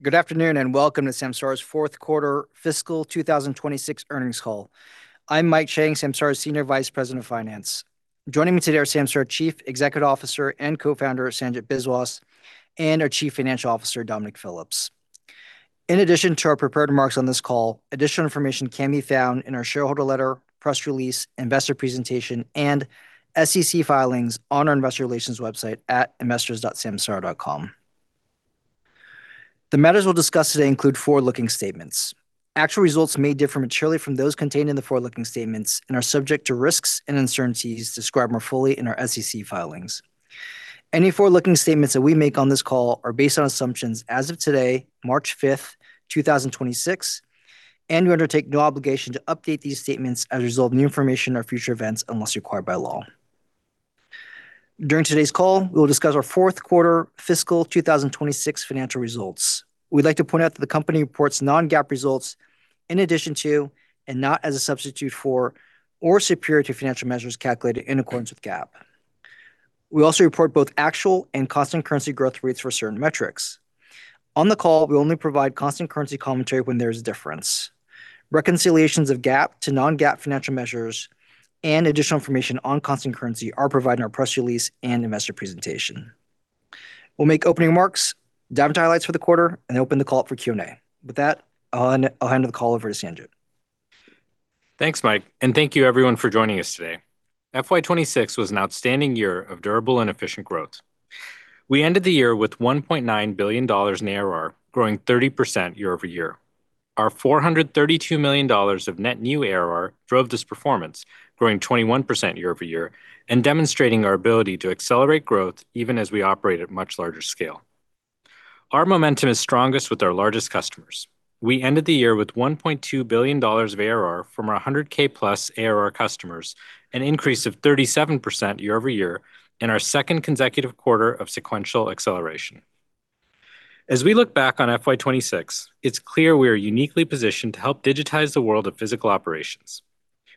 Good afternoon, welcome to Samsara's fourth quarter fiscal 2026 earnings call. I'm Mike Chang, Samsara's Senior Vice President of Finance. Joining me today are Samsara Chief Executive Officer and Co-founder, Sanjit Biswas, and our Chief Financial Officer, Dominic Phillips. In addition to our prepared remarks on this call, additional information can be found in our shareholder letter, press release, investor presentation, and SEC filings on our investor relations website at investors.samsara.com. The matters we'll discuss today include forward-looking statements. Actual results may differ materially from those contained in the forward-looking statements and are subject to risks and uncertainties described more fully in our SEC filings. Any forward-looking statements that we make on this call are based on assumptions as of today, March 5th, 2026, and we undertake no obligation to update these statements as a result of new information or future events unless required by law. During today's call, we will discuss our fourth quarter fiscal 2026 financial results. We'd like to point out that the company reports non-GAAP results in addition to and not as a substitute for or superior to financial measures calculated in accordance with GAAP. We also report both actual and constant currency growth rates for certain metrics. On the call, we only provide constant currency commentary when there is a difference. Reconciliations of GAAP to non-GAAP financial measures and additional information on constant currency are provided in our press release and investor presentation. We'll make opening remarks, dive into highlights for the quarter, then open the call up for Q&A. With that, I'll hand over the call over to Sanjit. Thanks, Mike. Thank you everyone for joining us today. FY 2026 was an outstanding year of durable and efficient growth. We ended the year with $1.9 billion in ARR, growing 30% year-over-year. Our $432 million of net new ARR drove this performance, growing 21% year-over-year and demonstrating our ability to accelerate growth even as we operate at much larger scale. Our momentum is strongest with our largest customers. We ended the year with $1.2 billion of ARR from our 100K+ ARR customers, an increase of 37% year-over-year and our second consecutive quarter of sequential acceleration. As we look back on FY 2026, it's clear we are uniquely positioned to help digitize the world of physical operations.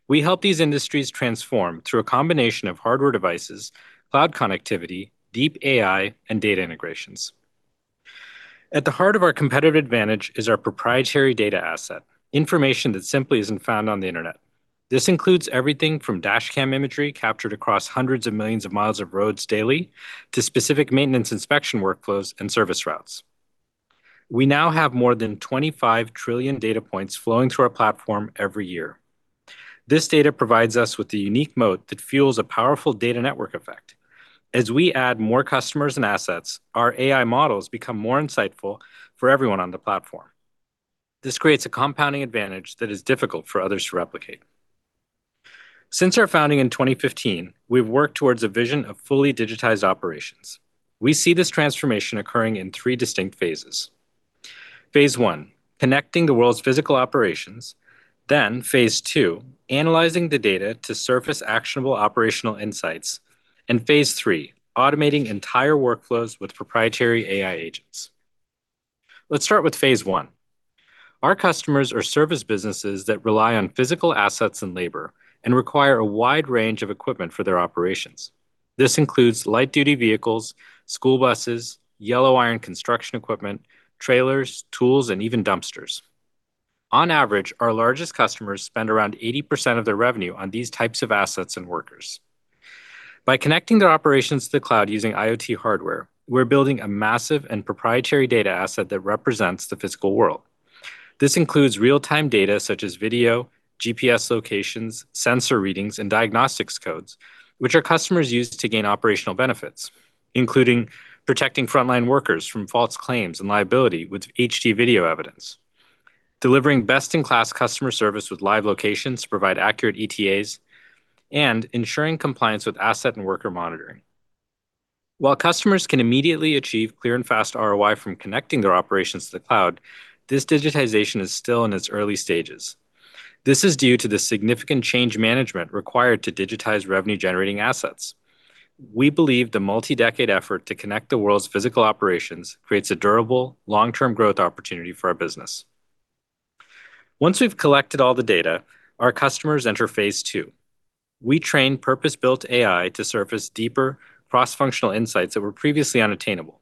We help these industries transform through a combination of hardware devices, cloud connectivity, deep AI, and data integrations. At the heart of our competitive advantage is our proprietary data asset, information that simply isn't found on the Internet. This includes everything from dashcam imagery captured across hundreds of millions of miles of roads daily to specific maintenance inspection workflows and service routes. We now have more than 25 trillion data points flowing through our platform every year. This data provides us with a unique moat that fuels a powerful data network effect. As we add more customers and assets, our AI models become more insightful for everyone on the platform. This creates a compounding advantage that is difficult for others to replicate. Since our founding in 2015, we've worked towards a vision of fully digitized operations. We see this transformation occurring in three distinct phases. Phase one, connecting the world's physical operations. Phase two, analyzing the data to surface actionable operational insights. Phase three, automating entire workflows with proprietary AI agents. Let's start with phase one. Our customers are service businesses that rely on physical assets and labor and require a wide range of equipment for their operations. This includes light-duty vehicles, school buses, yellow iron construction equipment, trailers, tools, and even dumpsters. On average, our largest customers spend around 80% of their revenue on these types of assets and workers. By connecting their operations to the cloud using IoT hardware, we're building a massive and proprietary data asset that represents the physical world. This includes real-time data such as video, GPS locations, sensor readings, and diagnostics codes, which our customers use to gain operational benefits, including protecting frontline workers from false claims and liability with HD video evidence, delivering best-in-class customer service with live locations to provide accurate ETAs, and ensuring compliance with asset and worker monitoring. While customers can immediately achieve clear, and fast ROI from connecting their operations to the cloud, this digitization is still in its early stages. This is due to the significant change management required to digitize revenue-generating assets. We believe the multi-decade effort to connect the world's physical operations creates a durable, long-term growth opportunity for our business. Once we've collected all the data, our customers enter phase two. We train purpose-built AI to surface deeper cross-functional insights that were previously unattainable.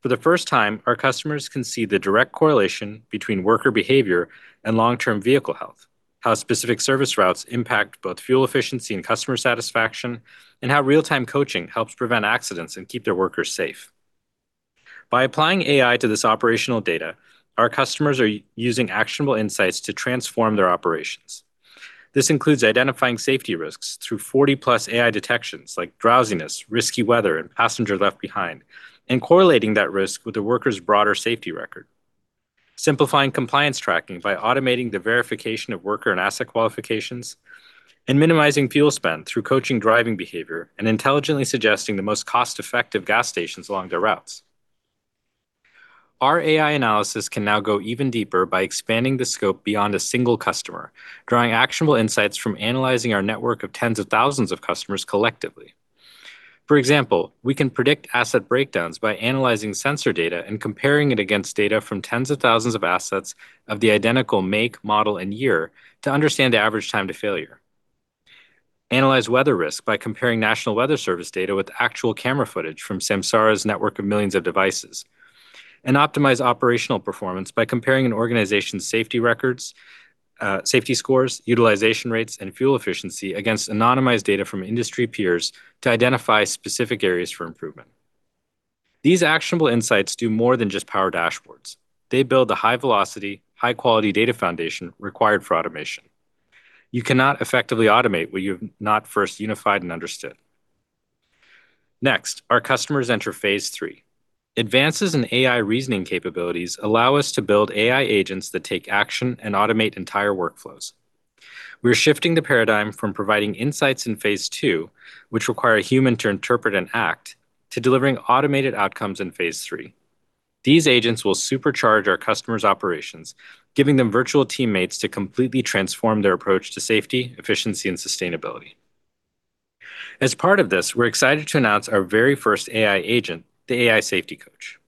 For the first time, our customers can see the direct correlation between worker behavior and long-term vehicle health, how specific service routes impact both fuel efficiency and customer satisfaction, and how real-time coaching helps prevent accidents and keep their workers safe. By applying AI to this operational data, our customers are using actionable insights to transform their operations. This includes identifying safety risks through 40+ AI detections like drowsiness, risky weather, and passenger left behind, and correlating that risk with the worker's broader safety record, simplifying compliance tracking by automating the verification of worker and asset qualifications, and minimizing fuel spend through coaching driving behavior and intelligently suggesting the most cost-effective gas stations along their routes. Our AI analysis can now go even deeper by expanding the scope beyond a single customer, drawing actionable insights from analyzing our network of tens of thousands of customers collectively. For example, we can predict asset breakdowns by analyzing sensor data and comparing it against data from tens of thousands of assets of the identical make, model, and year to understand the average time to failure. Analyze weather risk by comparing National Weather Service data with actual camera footage from Samsara's network of millions of devices, and optimize operational performance by comparing an organization's safety records, safety scores, utilization rates, and fuel efficiency against anonymized data from industry peers to identify specific areas for improvement. These actionable insights do more than just power dashboards. They build a high-velocity, high-quality data foundation required for automation. You cannot effectively automate what you have not first unified and understood. Next, our customers enter phase three. Advances in AI reasoning capabilities allow us to build AI agents that take action and automate entire workflows. We're shifting the paradigm from providing insights in phase two, which require a human to interpret and act, to delivering automated outcomes in phase three. These agents will supercharge our customers' operations, giving them virtual teammates to completely transform their approach to safety, efficiency, and sustainability. As part of this, we're excited to announce our very first AI agent, the AI Safety Coach.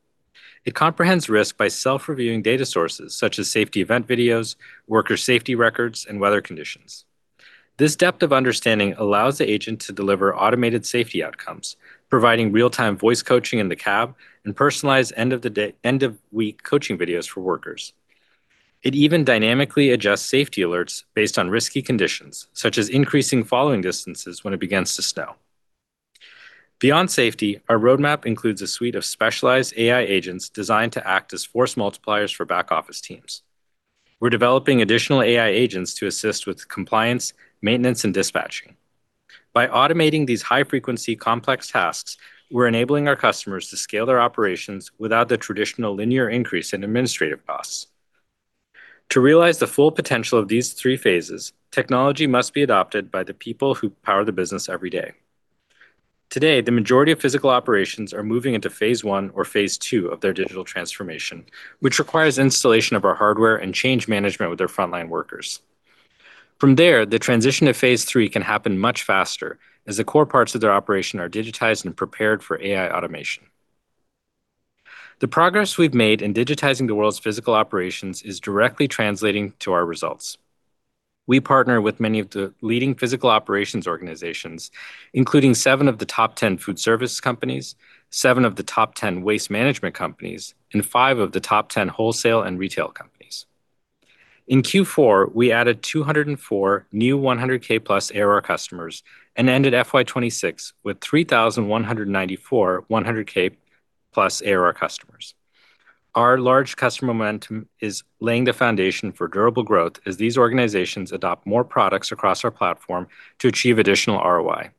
It comprehends risk by self-reviewing data sources such as safety event videos, worker safety records, and weather conditions. This depth of understanding allows the agent to deliver automated safety outcomes, providing real-time voice coaching in the cab and personalized end-of-week coaching videos for workers. It even dynamically adjusts safety alerts based on risky conditions, such as increasing following distances when it begins to snow. Beyond safety, our roadmap includes a suite of specialized AI agents designed to act as force multipliers for back office teams. We're developing additional AI agents to assist with compliance, maintenance, and dispatching. By automating these high-frequency complex tasks, we're enabling our customers to scale their operations without the traditional linear increase in administrative costs. To realize the full potential of these three phases, technology must be adopted by the people who power the business every day. Today, the majority of physical operations are moving into phase one or phase two of their digital transformation, which requires installation of our hardware and change management with their frontline workers. From there, the transition to phase three can happen much faster as the core parts of their operation are digitized and prepared for AI automation. The progress we've made in digitizing the world's physical operations is directly translating to our results. We partner with many of the leading physical operations organizations, including seven of the top 10 food service companies, seven of the top 10 waste management companies, and five of the top 10 wholesale and retail companies. In Q4, we added 204 new 100K+ ARR customers and ended FY 2026 with 3,194 100K+ ARR customers. Our large customer momentum is laying the foundation for durable growth as these organizations adopt more products across our platform to achieve additional ROI.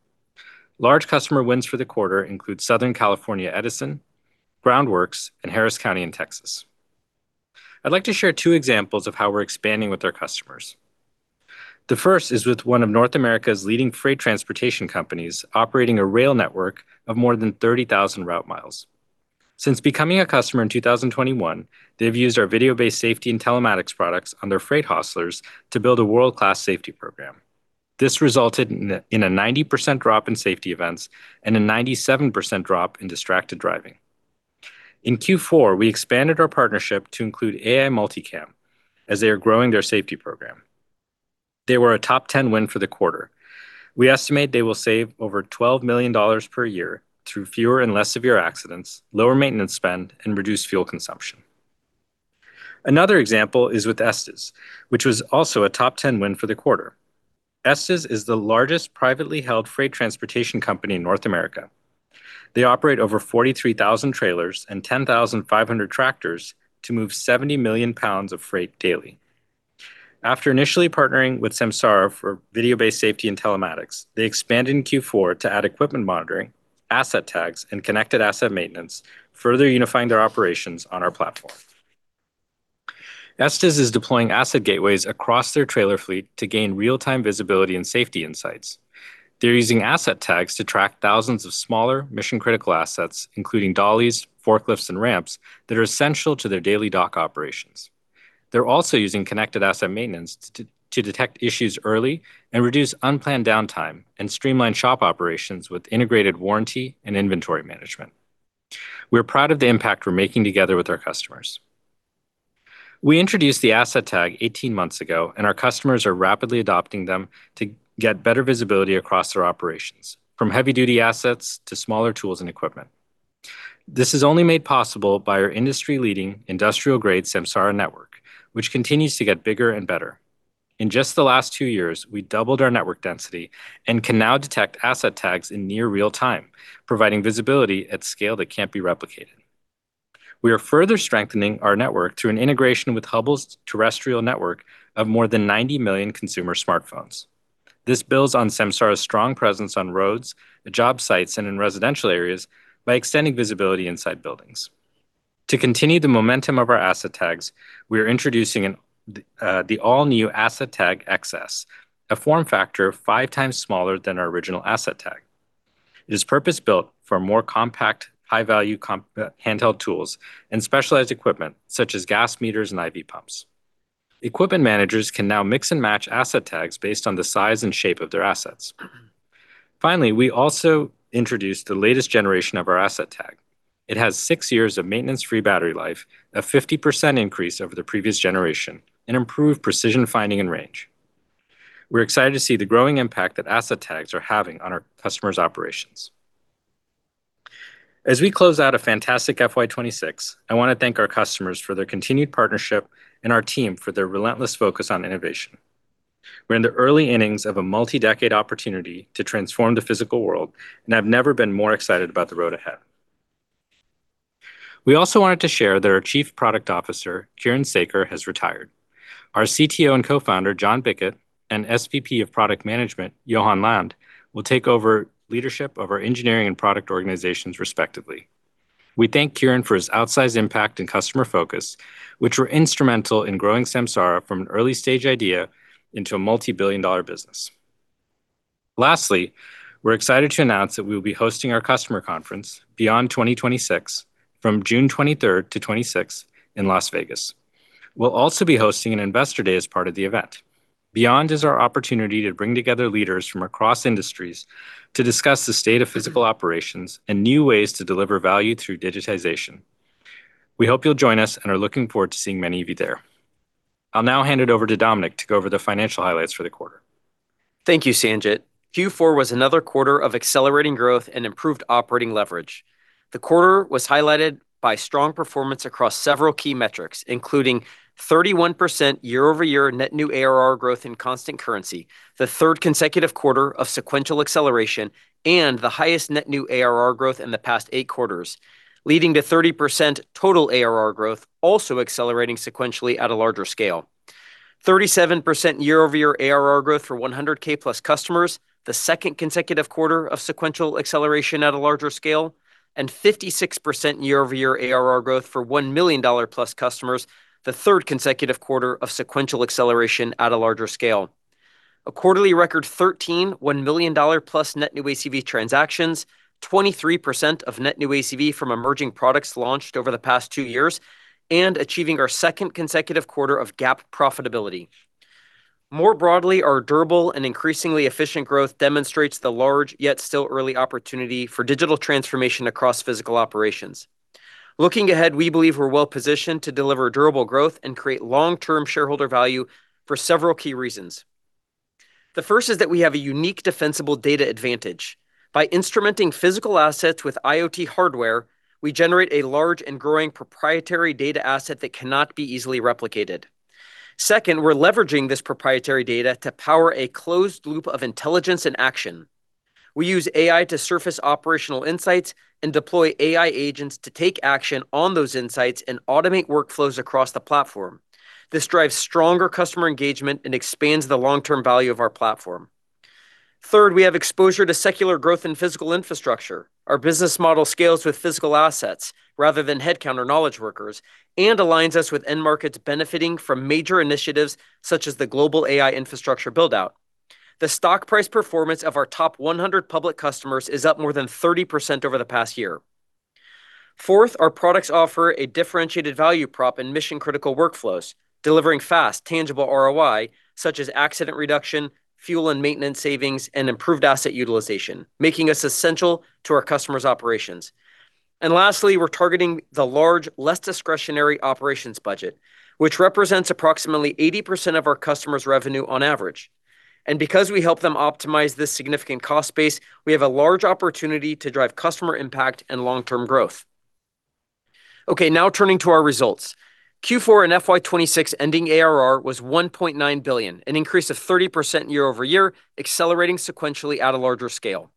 Large customer wins for the quarter include Southern California Edison, Groundworks, and Harris County in Texas. I'd like to share two examples of how we're expanding with our customers. The first is with one of North America's leading freight transportation companies, operating a rail network of more than 30,000 route miles. Since becoming a customer in 2021, they've used our video-based safety and telematics products on their freight hostlers to build a world-class safety program. This resulted in a 90% drop in safety events and a 97% drop in distracted driving. In Q4, we expanded our partnership to include AI Multicam as they are growing their safety program. They were a top 10 win for the quarter. We estimate they will save over $12 million per year through fewer and less severe accidents, lower maintenance spend, and reduced fuel consumption. Another example is with Estes, which was also a top 10 win for the quarter. Estes is the largest privately held freight transportation company in North America. They operate over 43,000 trailers and 10,500 tractors to move 70 million lbs of freight daily. After initially partnering with Samsara for video-based safety and telematics, they expanded in Q4 to add equipment monitoring, Asset Tags, and Connected Asset Maintenance, further unifying their operations on our platform. Estes is deploying Asset Gateways across their trailer fleet to gain real-time visibility and safety insights. They're using Asset Tags to track thousands of smaller mission-critical assets, including dollies, forklifts, and ramps that are essential to their daily dock operations. They're also using Connected Asset Maintenance to detect issues early, and reduce unplanned downtime, and streamline shop operations with integrated warranty and inventory management. We're proud of the impact we're making together with our customers. We introduced the Asset Tag 18 months ago, and our customers are rapidly adopting them to get better visibility across their operations, from heavy-duty assets to smaller tools and equipment. This is only made possible by our industry-leading industrial-grade Samsara Network, which continues to get bigger and better. In just the last two years, we doubled our network density and can now detect Asset Tags in near real-time, providing visibility at scale that can't be replicated. We are further strengthening our network through an integration with Hubble's terrestrial network of more than 90 million consumer smartphones. This builds on Samsara's strong presence on roads, job sites, and in residential areas by extending visibility inside buildings. To continue the momentum of our Asset Tags, we are introducing the all-new Asset Tag XS, a form factor five times smaller than our original Asset Tag. It is purpose-built for more compact, high-value handheld tools and specialized equipment such as gas meters and IV pumps. Equipment managers can now mix and match Asset Tags based on the size and shape of their assets. Finally, we also introduced the latest generation of our Asset Tag. It has six years of maintenance-free battery life, a 50% increase over the previous generation, and improved precision finding and range. We're excited to see the growing impact that Asset Tags are having on our customers' operations. As we close out a fantastic FY 2026, I want to thank our customers for their continued partnership and our team for their relentless focus on innovation. We're in the early innings of a multi-decade opportunity to transform the physical world, and I've never been more excited about the road ahead. We also wanted to share that our Chief Product Officer, Kiren Sekar, has retired. Our CTO and Co-founder, John Bicket, and SVP of Product Management, Johan Land, will take over leadership of our engineering and product organizations, respectively. We thank Kiren for his outsized impact and customer focus, which were instrumental in growing Samsara from an early-stage idea into a multi-billion-dollar business. Lastly, we're excited to announce that we will be hosting our customer conference, Beyond 2026, from June 23rd to 26th in Las Vegas. We'll also be hosting an Investor Day as part of the event. Beyond is our opportunity to bring together leaders from across industries to discuss the state of physical operations and new ways to deliver value through digitization. We hope you'll join us and are looking forward to seeing many of you there. I'll now hand it over to Dominic to go over the financial highlights for the quarter. Thank you, Sanjit. Q4 was another quarter of accelerating growth and improved operating leverage. The quarter was highlighted by strong performance across several key metrics, including 31% year-over-year Net New ARR growth in constant currency, the third consecutive quarter of sequential acceleration, and the highest Net New ARR growth in the past eight quarters, leading to 30% total ARR growth, also accelerating sequentially at a larger scale. 37% year-over-year ARR growth for 100K-plus customers, the second consecutive quarter of sequential acceleration at a larger scale, and 56% year-over-year ARR growth for $1 million+ customers, the third consecutive quarter of sequential acceleration at a larger scale. A quarterly record 13 $1 million+ net new ACV transactions, 23% of net new ACV from emerging products launched over the past two years, and achieving our second consecutive quarter of GAAP profitability. More broadly, our durable and increasingly efficient growth demonstrates the large yet still early opportunity for digital transformation across physical operations. Looking ahead, we believe we're well-positioned to deliver durable growth and create long-term shareholder value for several key reasons. The first is that we have a unique defensible data advantage. By instrumenting physical assets with IoT hardware, we generate a large and growing proprietary data asset that cannot be easily replicated. Second, we're leveraging this proprietary data to power a closed loop of intelligence and action. We use AI to surface operational insights and deploy AI agents to take action on those insights and automate workflows across the platform. This drives stronger customer engagement and expands the long-term value of our platform. Third, we have exposure to secular growth in physical infrastructure. Our business model scales with physical assets rather than headcount or knowledge workers and aligns us with end markets benefiting from major initiatives such as the global AI infrastructure build-out. The stock price performance of our top 100 public customers is up more than 30% over the past year. Fourth, our products offer a differentiated value prop in mission-critical workflows, delivering fast, tangible ROI, such as accident reduction, fuel and maintenance savings, and improved asset utilization, making us essential to our customers' operations. Lastly, we're targeting the large, less discretionary operations budget, which represents approximately 80% of our customers' revenue on average. Because we help them optimize this significant cost base, we have a large opportunity to drive customer impact and long-term growth. Okay, now turning to our results. Q4 and FY 2026 ending ARR was $1.9 billion, an increase of 30% year-over-year, accelerating sequentially at a larger scale.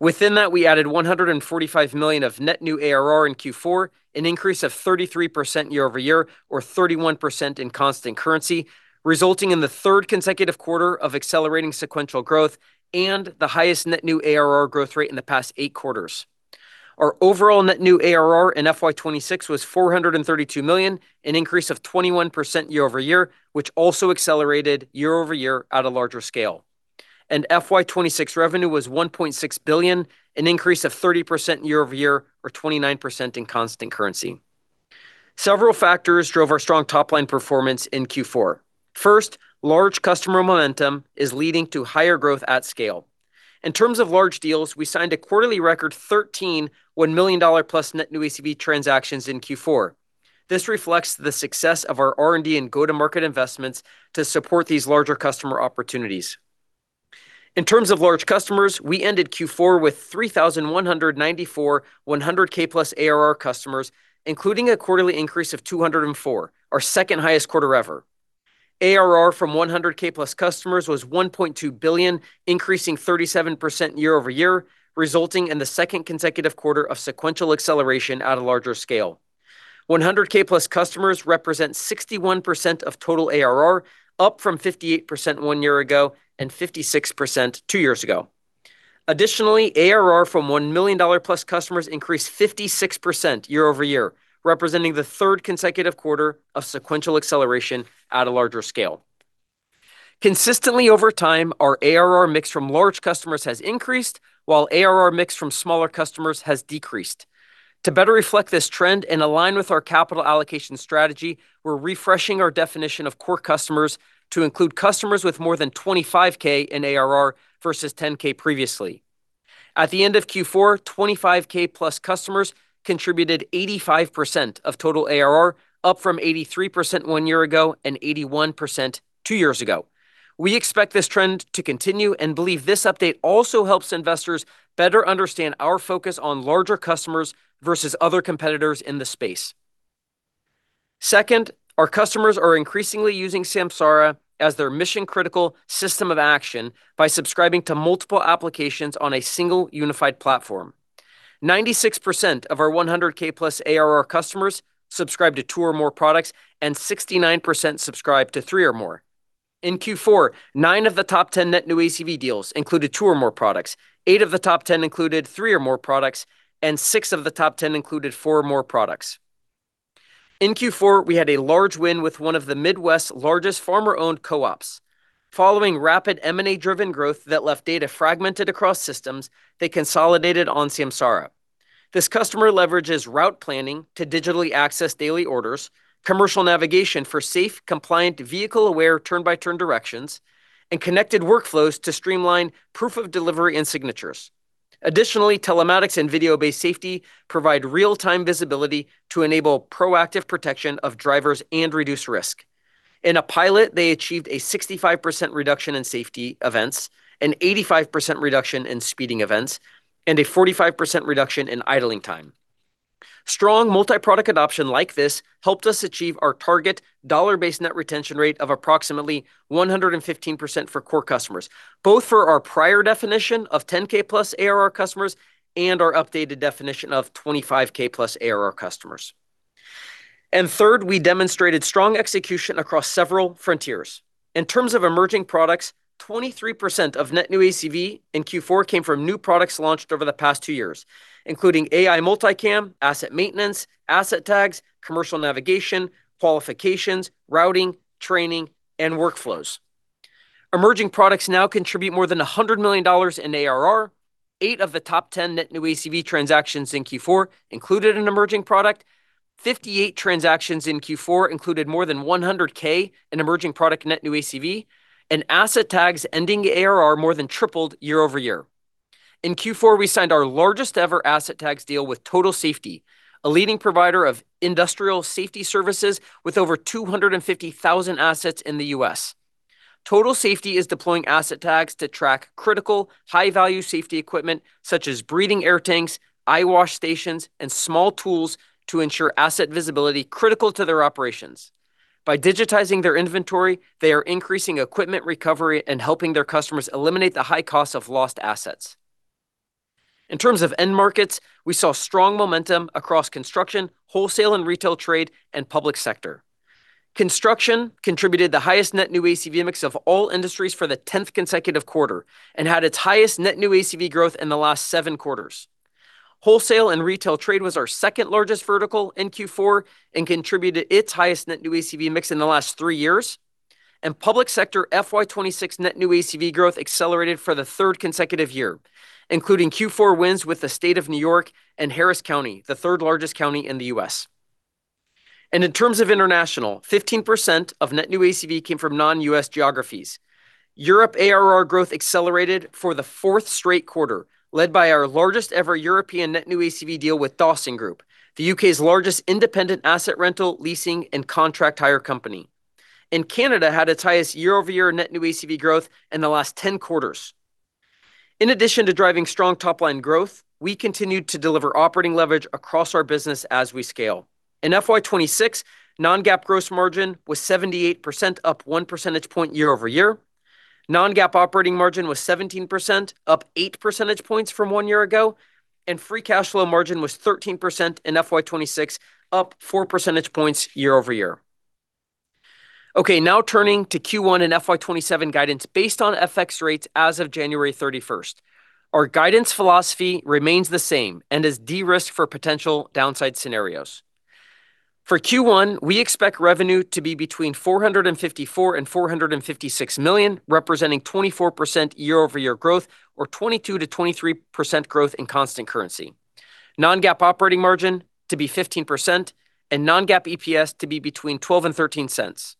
Within that, we added $145 million of net new ARR in Q4, an increase of 33% year-over-year or 31% in constant currency, resulting in the third consecutive quarter of accelerating sequential growth and the highest net new ARR growth rate in the past eight quarters. Our overall net new ARR in FY 2026 was $432 million, an increase of 21% year-over-year, which also accelerated year-over-year at a larger scale. FY 2026 revenue was $1.6 billion, an increase of 30% year-over-year or 29% in constant currency. Several factors drove our strong top-line performance in Q4. First, large customer momentum is leading to higher growth at scale. In terms of large deals, we signed a quarterly record 13 $1 million+ net new ACV transactions in Q4. This reflects the success of our R&D and go-to-market investments to support these larger customer opportunities. In terms of large customers, we ended Q4 with 3,194 100K+ ARR customers, including a quarterly increase of 204, our second-highest quarter ever. ARR from 100K+customers was $1.2 billion, increasing 37% year-over-year, resulting in the second consecutive quarter of sequential acceleration at a larger scale. 100K+ customers represent 61% of total ARR, up from 58% one year ago and 56% two years ago. Additionally, ARR from $1 million+ customers increased 56% year-over-year, representing the third consecutive quarter of sequential acceleration at a larger scale. Consistently over time, our ARR mix from large customers has increased while ARR mix from smaller customers has decreased. To better reflect this trend and align with our capital allocation strategy, we're refreshing our definition of core customers to include customers with more than $25K in ARR, versus $10K previously. At the end of Q4, $25K+ customers contributed 85% of total ARR, up from 83% one year ago and 81% two years ago. We expect this trend to continue and believe this update also helps investors better understand our focus on larger customers versus other competitors in the space. Second, our customers are increasingly using Samsara as their mission-critical system of action by subscribing to multiple applications on a single unified platform. 96% of our 100K+ ARR customers subscribe to two or more products, and 69% subscribe to three or more. In Q4, nine of the top 10 net new ACV deals included two or more products. Eight of the top 10 included three or more products, and six of the top 10 included four or more products. In Q4, we had a large win with one of the Midwest's largest farmer-owned co-ops. Following rapid M&A-driven growth that left data fragmented across systems, they consolidated on Samsara. This customer leverages Route Planning to digitally access daily orders, Commercial Navigation for safe, compliant, vehicle-aware turn-by-turn directions, and Connected Workflows to streamline proof of delivery and signatures. Additionally, telematics and video-based safety provide real-time visibility to enable proactive protection of drivers and reduce risk. In a pilot, they achieved a 65% reduction in safety events, an 85% reduction in speeding events, and a 45% reduction in idling time. Strong multi-product adoption like this helped us achieve our target dollar-based net retention rate of approximately 115% for core customers, both for our prior definition of 10K+ ARR customers and our updated definition of 25K+ ARR customers. Third, we demonstrated strong execution across several frontiers. In terms of emerging products, 23% of net new ACV in Q4 came from new products launched over the past two years, including AI Multicam, Asset Maintenance, Asset Tags, Commercial Navigation, qualifications, Routing, training, and Workflows. Emerging products now contribute more than $100 million in ARR. Eight of the top 10 net new ACV transactions in Q4 included an emerging product. 58 transactions in Q4 included more than 100K in emerging product net new ACV. Asset Tags ending ARR more than tripled year-over-year. In Q4, we signed our largest-ever Asset Tags deal with Total Safety, a leading provider of industrial safety services with over 250,000 assets in the U.S. Total Safety is deploying Asset Tags to track critical high-value safety equipment, such as breathing air tanks, eye wash stations, and small tools to ensure asset visibility critical to their operations. By digitizing their inventory, they are increasing equipment recovery and helping their customers eliminate the high cost of lost assets. In terms of end markets, we saw strong momentum across construction, wholesale and retail trade, and public sector. Construction contributed the highest net new ACV mix of all industries for the 10th consecutive quarter and had its highest net new ACV growth in the last seven quarters. Wholesale and retail trade was our second-largest vertical in Q4 and contributed its highest net new ACV mix in the last three years. Public sector FY 2026 net new ACV growth accelerated for the third consecutive year, including Q4 wins with the State of New York and Harris County, the third-largest county in the U.S. In terms of international, 15% of net new ACV came from non-U.S. geographies. Europe ARR growth accelerated for the fourth straight quarter, led by our largest-ever European net new ACV deal with Dawsongroup, the U.K.'s largest independent asset rental, leasing, and contract hire company. Canada had its highest year-over-year net new ACV growth in the last 10 quarters. In addition to driving strong top-line growth, we continued to deliver operating leverage across our business as we scale. In FY 2026, non-GAAP gross margin was 78%, up 1 percentage point year-over- year. Non-GAAP operating margin was 17%, up 8 percentage points from one year ago. Free cash flow margin was 13% in FY 2026, up 4 percentage points year-over-year. Now turning to Q1 and FY 2027 guidance based on FX rates as of January 31st. Our guidance philosophy remains the same and is de-risked for potential downside scenarios. For Q1, we expect revenue to be between $454 million and $456 million, representing 24% year-over-year growth or 22%-23% growth in constant currency. Non-GAAP operating margin to be 15% and non-GAAP EPS to be between $0.12 and $0.13.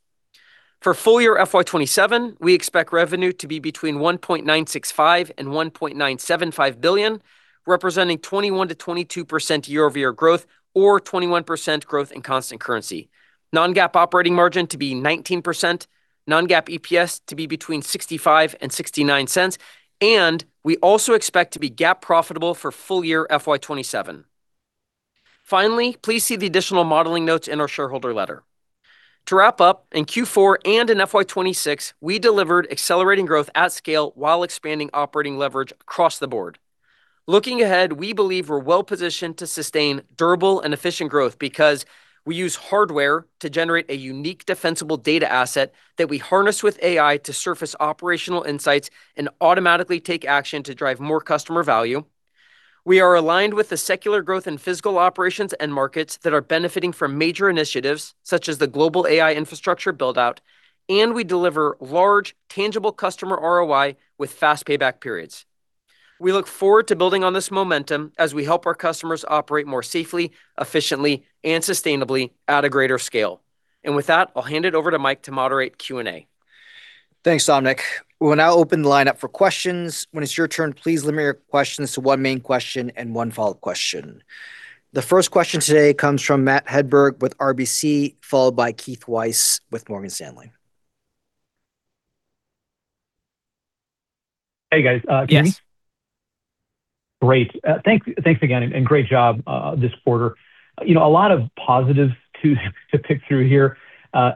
For full-year FY 2027, we expect revenue to be between $1.965 billion and $1.975 billion, representing 21%-22% year-over-year growth or 21% growth in constant currency. non-GAAP operating margin to be 19%, non-GAAP EPS to be between $0.65 and $0.69, and we also expect to be GAAP profitable for full- year FY 2027. Finally, please see the additional modeling notes in our shareholder letter. To wrap up, in Q4 and in FY 2026, we delivered accelerating growth at scale while expanding operating leverage across the board. Looking ahead, we believe we're well-positioned to sustain durable and efficient growth because we use hardware to generate a unique defensible data asset that we harness with AI to surface operational insights and automatically take action to drive more customer value. We are aligned with the secular growth in physical operations end markets that are benefiting from major initiatives, such as the global AI infrastructure build-out, and we deliver large, tangible customer ROI with fast payback periods. We look forward to building on this momentum as we help our customers operate more safely, efficiently, and sustainably at a greater scale. With that, I'll hand it over to Mike to moderate Q&A. Thanks, Dominic. We will now open the line up for questions. When it's your turn, please limit your questions to one main question and one follow-up question. The first question today comes from Matthew Hedberg with RBC, followed by Keith Weiss with Morgan Stanley. Hey, guys. Yes Can you hear me? Great. Thanks again, and great job this quarter. You know, a lot of positives to pick through here.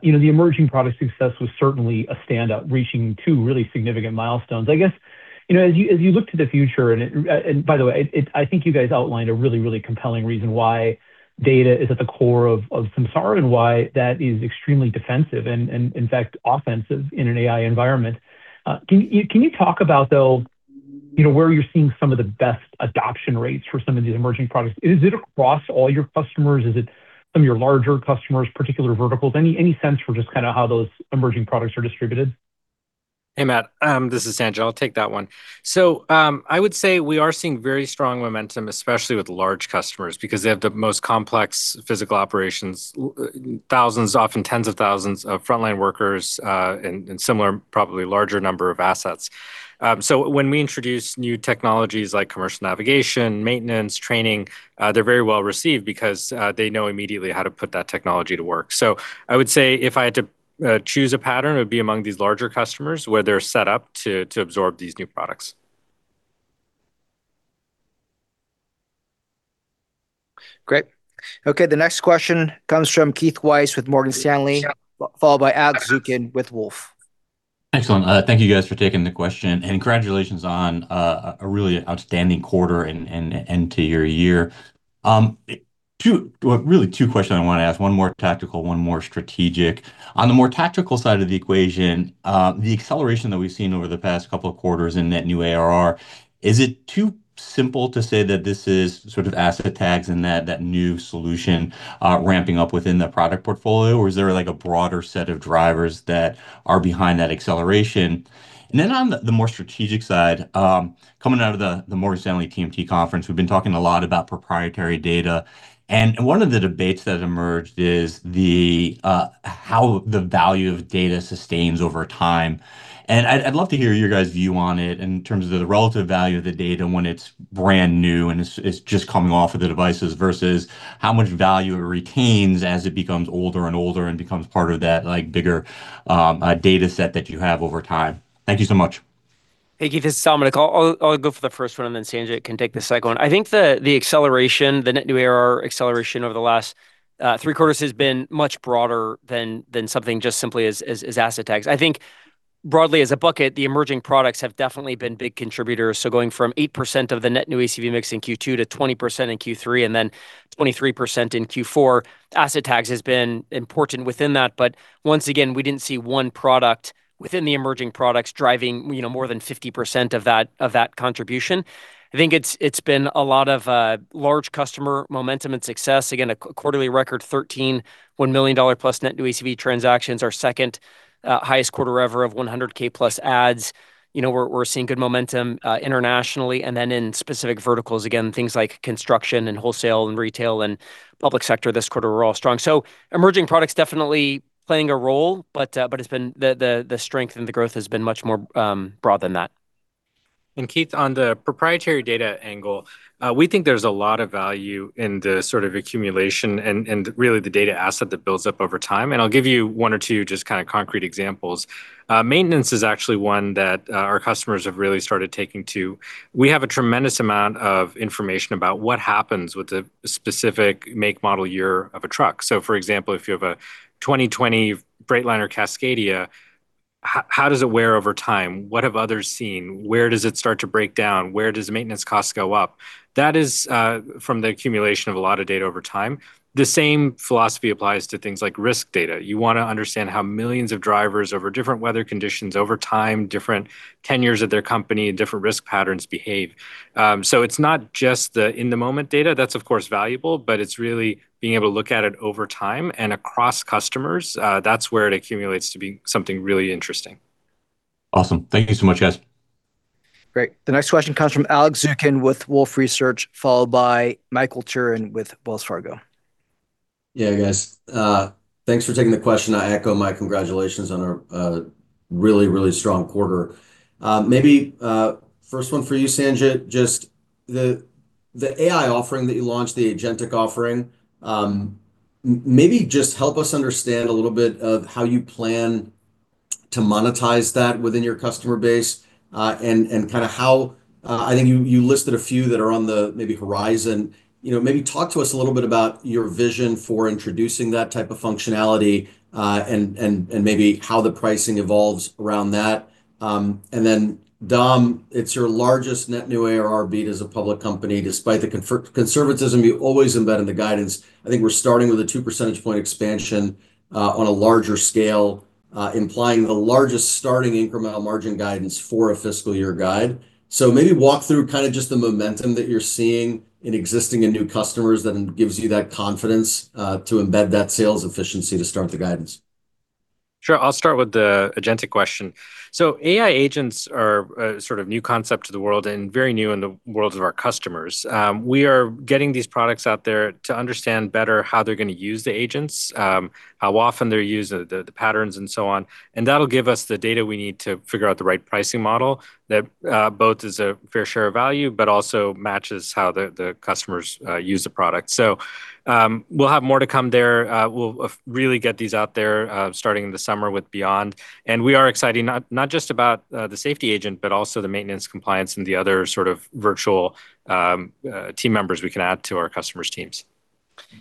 You know, the emerging product success was certainly a standout, reaching two really significant milestones. I guess, you know, as you look to the future, and by the way, I think you guys outlined a really, really compelling reason why data is at the core of Samsara and why that is extremely defensive and in fact, offensive in an AI environment. Can you talk about though, you know, where you're seeing some of the best adoption rates for some of these emerging products? Is it across all your customers? Is it some of your larger customers, particular verticals? Any, any sense for just kinda how those emerging products are distributed? Hey, Matt, this is Sanjit. I'll take that one. I would say we are seeing very strong momentum, especially with large customers, because they have the most complex physical operations, thousands, often tens of thousands of frontline workers, and similar, probably larger number of assets. When we introduce new technologies like Commercial Navigation, maintenance, training, they're very well-received because they know immediately how to put that technology to work. I would say if I had to choose a pattern, it would be among these larger customers where they're set up to absorb these new products. Great. Okay, the next question comes from Keith Weiss with Morgan Stanley, followed by Alex Zukin with Wolfe. Excellent. Thank you guys for taking the question, congratulations on a really outstanding quarter and end to your year. Well, really two questions I wanna ask, one more tactical, one more strategic. On the more tactical side of the equation, the acceleration that we've seen over the past couple of quarters in Net New ARR, is it too simple to say that this is sort of Asset Tags and that new solution ramping up within the product portfolio, or is there, like, a broader set of drivers that are behind that acceleration? On the more strategic side, coming out of the Morgan Stanley TMT conference, we've been talking a lot about proprietary data, one of the debates that emerged is how the value of data sustains over time. I'd love to hear your guys' view on it in terms of the relative value of the data when it's brand new and it's just coming off of the devices versus how much value it retains as it becomes older and older and becomes part of that, like, bigger data set that you have over time. Thank you so much. Hey, Keith, this is Dominic. I'll go for the first one, and then Sanjit can take the second one. I think the acceleration, the net new ARR acceleration over the last three quarters, has been much broader than something just simply as Asset Tags. I think broadly as a bucket, the emerging products have definitely been big contributors, so going from 8% of the net new ACV mix in Q2 to 20% in Q3 and then 23% in Q4, Asset Tags has been important within that. Once again, we didn't see one product within the emerging products driving, you know, more than 50% of that contribution. I think it's been a lot of large customer momentum and success. Again, a quarterly record 13 $1 million+ net new ACV transactions. Our second-highest quarter ever of 100K+ adds. You know, we're seeing good momentum internationally, and then in specific verticals, again, things like construction and wholesale. And retail and public sector this quarter were all strong. Emerging products definitely playing a role, but it's been the strength and the growth has been much more broad than that. Keith, on the proprietary data angle, we think there's a lot of value in the sort of accumulation and really the data asset that builds up over time. I'll give you one or two just kinda concrete examples. Maintenance is actually one that, our customers have really started taking to. We have a tremendous amount of information about what happens with a specific make, model, year of a truck. For example, if you have a 2020 Freightliner Cascadia, how does it wear over time? What have others seen? Where does it start to break down? Where does maintenance costs go up? That is, from the accumulation of a lot of data over time. The same philosophy applies to things like risk data. You wanna understand how millions of drivers over different weather conditions over time, different tenures of their company, and different risk patterns behave. It's not just the in-the-moment data. That's of course valuable, but it's really being able to look at it over time and across customers, that's where it accumulates to being something really interesting. Awesome. Thank you so much, guys. Great. The next question comes from Alex Zukin with Wolfe Research, followed by Michael Turrin with Wells Fargo. Yeah, guys. Thanks for taking the question. I echo Mike. Congratulations on a really strong quarter. Maybe, first one for you, Sanjit, just the AI offering that you launched, the agentic offering, maybe just help us understand a little bit of how you plan to monetize that within your customer base. I think you listed a few that are on the maybe horizon. You know, maybe talk to us a little bit about your vision for introducing that type of functionality, and maybe how the pricing evolves around that. And then Dom, it's your largest Net New ARR beat as a public company despite the conservatism you always embed in the guidance. I think we're starting with a 2 percentage point expansion, on a larger scale, implying the largest starting incremental margin guidance for a fiscal year guide. Maybe walk through kind of just the momentum that you're seeing in existing and new customers that gives you that confidence, to embed that sales efficiency to start the guidance. Sure. I'll start with the agentic question. AI agents are a sort of new concept to the world and very new in the worlds of our customers. We are getting these products out there to understand better how they're gonna use the agents, how often they're used, the patterns and so on, and that'll give us the data we need to figure out the right pricing model that both is a fair share of value, but also matches how the customers use the product. We'll have more to come there. We'll really get these out there, starting in the summer with Beyond, and we are exciting not just about the safety agent, but also the maintenance compliance and the other sort of virtual team members we can add to our customers' teams.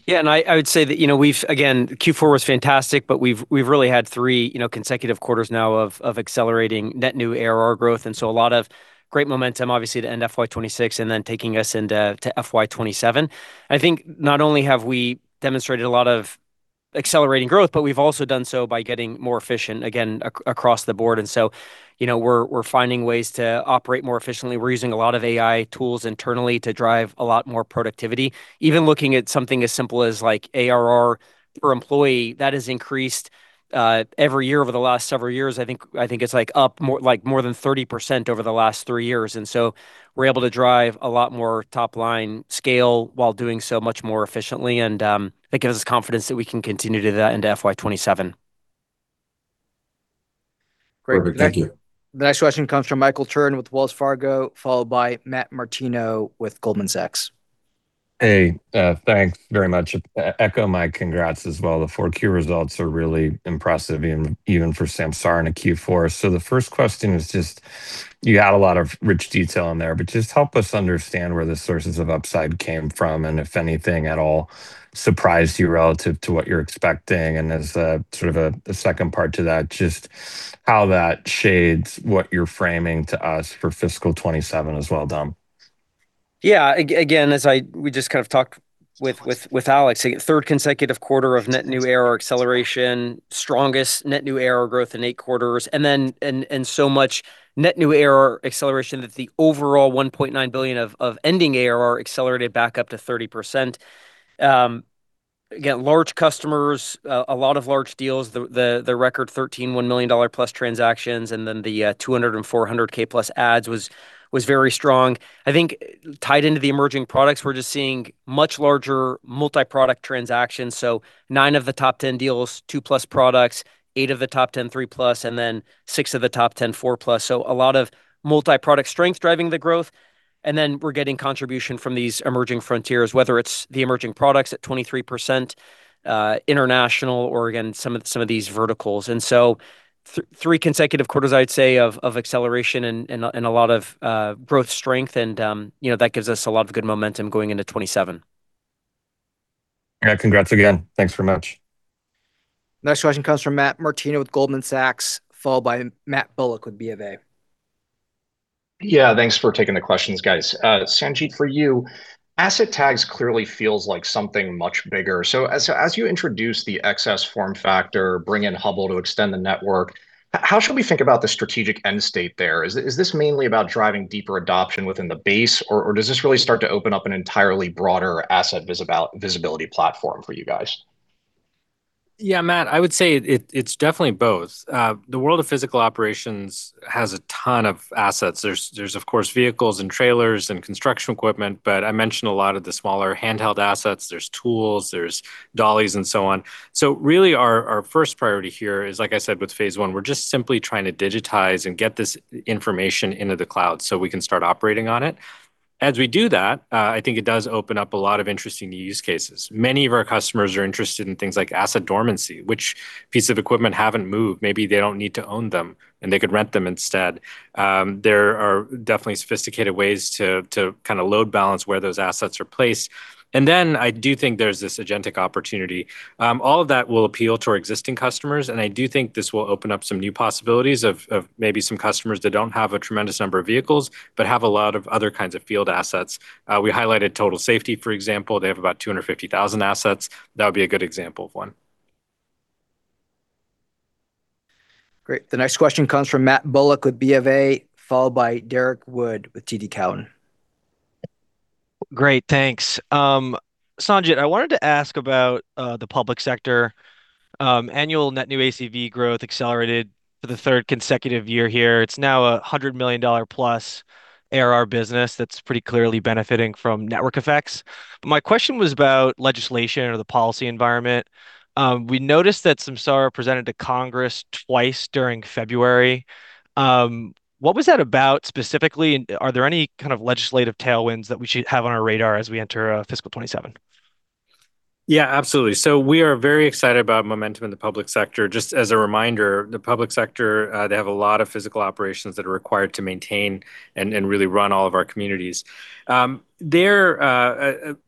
I would say that, you know, again, Q4 was fantastic, but we've really had three, you know, consecutive quarters now of accelerating Net New ARR growth, a lot of great momentum obviously to end FY 2026 and then taking us into FY 2027. I think not only have we demonstrated a lot of accelerating growth, but we've also done so by getting more efficient again across the board. You know, we're finding ways to operate more efficiently. We're using a lot of AI tools internally to drive a lot more productivity. Even looking at something as simple as, like, ARR per employee, that has increased every year over the last several years. I think it's, like, up more than 30% over the last three years. We're able to drive a lot more top-line scale while doing so much more efficiently, and it gives us confidence that we can continue to do that into FY 2027. Great. Thank you. The next question comes from Michael Turrin with Wells Fargo, followed by Matt Martino with Goldman Sachs. Hey, thanks very much. Echo my congrats as well. The 4Q results are really impressive even for Samsara in a Q4. The first question is just you had a lot of rich detail in there, but just help us understand where the sources of upside came from and if anything at all surprised you relative to what you're expecting. As a sort of a second part to that, just how that shades what you're framing to us for fiscal 2027 as well, Dom. Yeah. Again, as we just kind of talked with Alex, the third consecutive quarter of Net New ARR acceleration, strongest Net New ARR growth in eight quarters, so much Net New ARR acceleration that the overall $1.9 billion of ending ARR accelerated back up to 30%. Again, large customers, a lot of large deals. The record 13 $1 million+ transactions and then the 200K and 400K+ ads was very strong. I think tied into the emerging products, we're just seeing much larger multi-product transactions. Nine of the top 10 deals, tswo+ products, eight of the top 10, three+, and six of the top 10, four+. A lot of multi-product strength driving the growth. We're getting contribution from these emerging frontiers, whether it's the emerging products at 23%, international, or again, some of these verticals. Three consecutive quarters, I'd say of acceleration and a lot of growth strength and, you know, that gives us a lot of good momentum going into 2027. Yeah. Congrats again. Thanks very much. Next question comes from Matt Martino with Goldman Sachs, followed by Matthew Bullock with BofA. Yeah. Thanks for taking the questions, guys. Sanjit, for you, Asset Tags clearly feels like something much bigger. As you introduce the XS form factor, bring in Hubble to extend the network, how should we think about the strategic end state there? Is this mainly about driving deeper adoption within the base, or does this really start to open up an entirely broader asset visibility platform for you guys? Matt, I would say it's definitely both. The world of physical operations has a ton of assets. There's of course vehicles and trailers and construction equipment, but I mentioned a lot of the smaller handheld assets. There's tools, there's dollies and so on. Really our first priority here is, like I said, with phase one, we're just simply trying to digitize and get this information into the cloud so we can start operating on it. As we do that, I think it does open up a lot of interesting use cases. Many of our customers are interested in things like asset dormancy, which pieces of equipment haven't moved, maybe they don't need to own them and they could rent them instead. There are definitely sophisticated ways to kinda load balance where those assets are placed. I do think there's this agentic opportunity. All of that will appeal to our existing customers, and I do think this will open up some new possibilities of maybe some customers that don't have a tremendous number of vehicles but have a lot of other kinds of field assets. We highlighted Total Safety, for example. They have about 250,000 assets. That would be a good example of one. Great. The next question comes from Matthew Bullock with BofA, followed by Derrick Wood with TD Cowen. Great. Thanks. Sanjit, I wanted to ask about the public sector, annual net new ACV growth accelerated for the third consecutive year here. It's now a $100 million+ ARR business that's pretty clearly benefiting from network effects. My question was about legislation or the policy environment. We noticed that Samsara presented to Congress twice during February. What was that about specifically, and are there any kind of legislative tailwinds that we should have on our radar as we enter fiscal 2027? Yeah, absolutely. We are very excited about momentum in the public sector. Just as a reminder, the public sector, they have a lot of physical operations that are required to maintain and really run all of our communities. A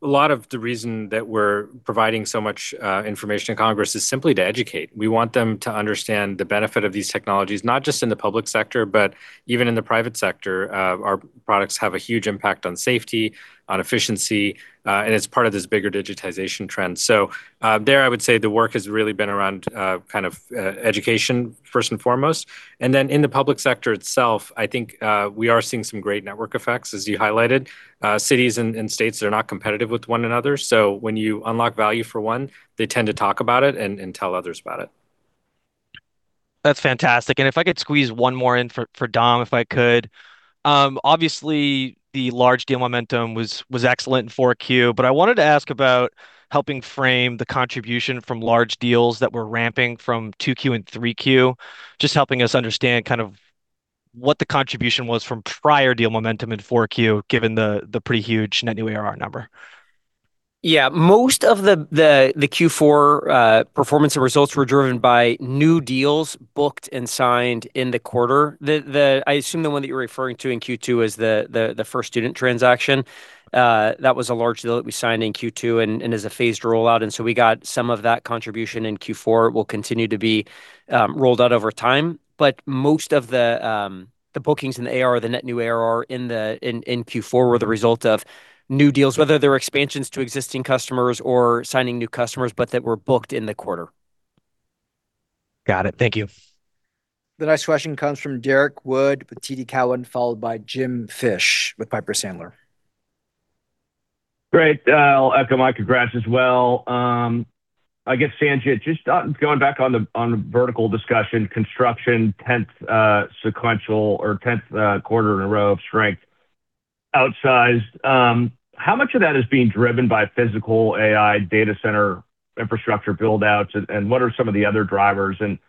lot of the reason that we're providing so much information to Congress is simply to educate. We want them to understand the benefit of these technologies, not just in the public sector, but even in the private sector. Our products have a huge impact on safety, on efficiency, and it's part of this bigger digitization trend. There, I would say the work has really been around kind of education first and foremost. In the public sector itself, I think, we are seeing some great network effects, as you highlighted. Cities and states are not competitive with one another, so when you unlock value for one, they tend to talk about it and tell others about it. That's fantastic. If I could squeeze one more in for Dom, if I could. Obviously the large deal momentum was excellent in 4Q, but I wanted to ask about helping frame the contribution from large deals that were ramping from 2Q and 3Q. Just helping us understand kind of what the contribution was from prior deal momentum in 4Q, given the pretty huge net new ARR number. Most of the Q4 performance and results were driven by new deals booked and signed in the quarter. I assume the one that you're referring to in Q2 is the First Student transaction. That was a large deal that we signed in Q2 and as a phased rollout, and so we got some of that contribution in Q4, will continue to be rolled out over time. Most of the bookings in the ARR, the net new ARR, in Q4 were the result of new deals, whether they were expansions to existing customers or signing new customers, but that were booked in the quarter. Got it. Thank you. The next question comes from Derrick Wood with TD Cowen, followed by James Fish with Piper Sandler. Great. I'll echo my congrats as well. I guess, Sanjit, just going back on the vertical discussion, construction, 10th sequential or 10th quarter in a row of strength outsized. How much of that is being driven by physical AI data center infrastructure build-outs, and what are some of the other drivers? Then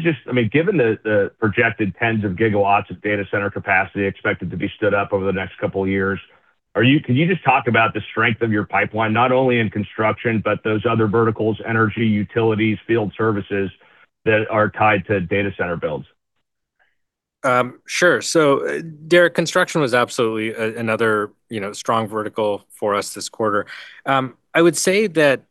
just, I mean, given the projected 10s of gigawatts of data center capacity expected to be stood up over the next two years, can you just talk about the strength of your pipeline, not only in construction, but those other verticals, energy, utilities, field services that are tied to data center builds? Sure. Derrick, construction was absolutely another, you know, strong vertical for us this quarter. I would say that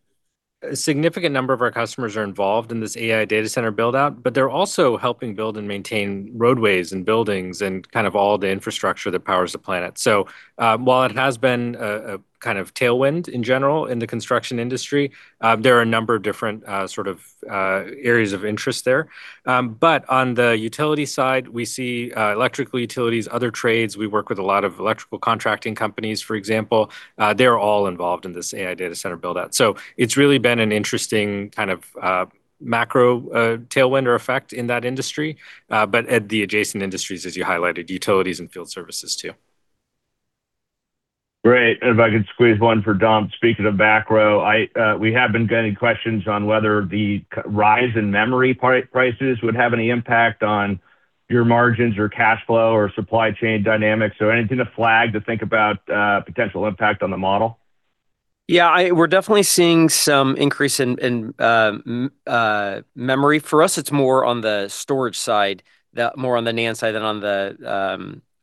a significant number of our customers are involved in this AI data center build-out, but they're also helping build and maintain roadways and buildings and kind of all the infrastructure that powers the planet. While it has been a kind of tailwind in general in the construction industry, there are a number of different sort of areas of interest there. But on the utility side, we see electrical utilities, other trades. We work with a lot of electrical contracting companies, for example. They are all involved in this AI data center build-out. It's really been an interesting kind of macro tailwind or effect in that industry. At the adjacent industries, as you highlighted, utilities and field services too. Great. If I could squeeze one for Dom. Speaking of macro, I, we have been getting questions on whether the rise in memory prices would have any impact on your margins or cash flow or supply chain dynamics. Anything to flag to think about potential impact on the model? Yeah. We're definitely seeing some increase in memory. For us, it's more on the storage side, the more on the NAND side than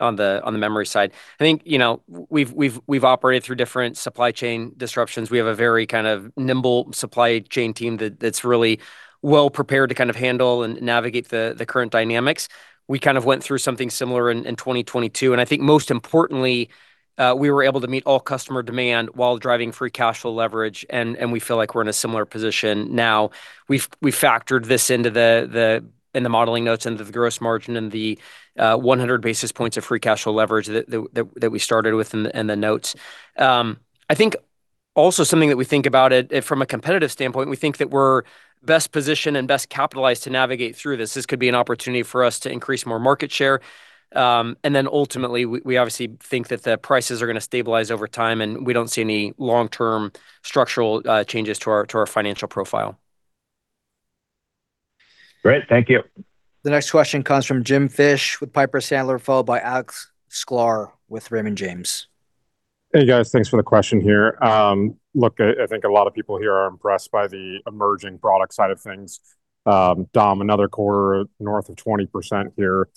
on the memory side. I think, you know, we've operated through different supply chain disruptions. We have a very kind of nimble supply chain team that's really well prepared to kind of handle and navigate the current dynamics. We kind of went through something similar in 2022, and I think most importantly, we were able to meet all customer demand while driving free cash flow leverage, and we feel like we're in a similar position now. We factored this into the modeling notes, into the gross margin and the 100 basis points of free cash flow leverage that we started with in the notes. I think also something that we think about it, from a competitive standpoint, we think that we're best positioned and best capitalized to navigate through this. This could be an opportunity for us to increase more market share. Ultimately, we obviously think that the prices are gonna stabilize over time, and we don't see any long-term structural changes to our financial profile. Great. Thank you. The next question comes from James Fish with Piper Sandler, followed by Alexander Sklar with Raymond James. Hey, guys. Thanks for the question here. Look, I think a lot of people here are impressed by the emerging product side of things. Dom, another core north of 20% here.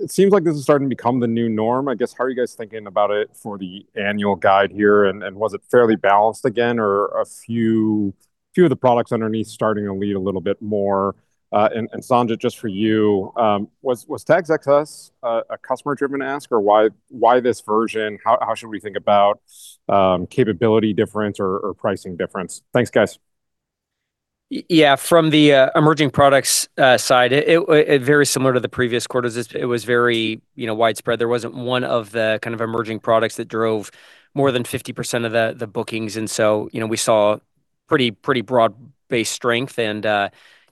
It seems like this is starting to become the new norm. I guess, how are you guys thinking about it for the annual guide here, and was it fairly balanced again, or a few of the products underneath starting to lead a little bit more? And Sanjit, just for you, was Tag XS a customer-driven ask, or why this version? How should we think about capability difference or pricing difference? Thanks, guys. Yeah. From the emerging products side, it very similar to the previous quarters. It was very, you know, widespread. There wasn't one of the kind of emerging products that drove more than 50% of the bookings. You know, we saw pretty broad-based strength and,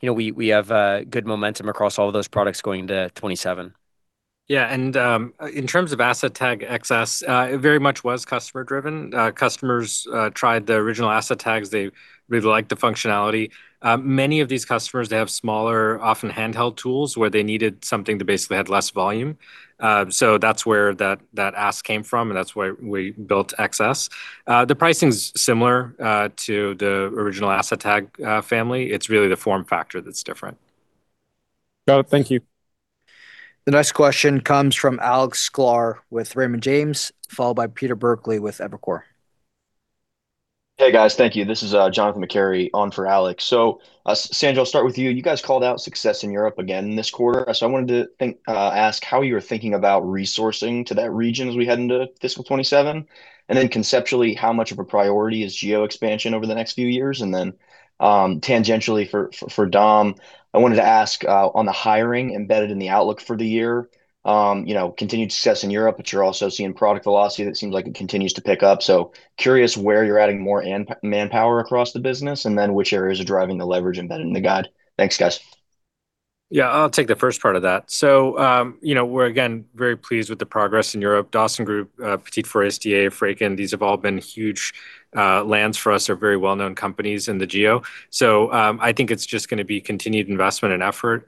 you know, we have good momentum across all of those products going into 2027. Yeah. In terms of Asset Tag XS, it very much was customer-driven. Customers tried the original Asset Tags. They really liked the functionality. Many of these customers, they have smaller, often handheld tools where they needed something to basically add less volume. That's where that ask came from, and that's why we built XS. The pricing's similar to the original Asset Tag family. It's really the form factor that's different. Got it. Thank you. The next question comes from Alexander Sklar with Raymond James, followed by Peter Levine with Evercore. Hey, guys. Thank you. This is Jonathan Macary on for Alex. Sanjit, I'll start with you. You guys called out success in Europe again this quarter, so I wanted to ask how you're thinking about resourcing to that region as we head into fiscal 2027. Conceptually, how much of a priority is geo expansion over the next few years? Tangentially for Dominic, I wanted to ask on the hiring embedded in the outlook for the year, you know, continued success in Europe, but you're also seeing product velocity that seems like it continues to pick up. Curious where you're adding more manpower across the business and then which areas are driving the leverage embedded in the guide. Thanks, guys. Yeah, I'll take the first part of that. We're again, very pleased with the progress in Europe. Dawsongroup, Petit Forestier, Fraikin, these have all been huge lands for us, are very well-known companies in the geo. I think it's just gonna be continued investment and effort.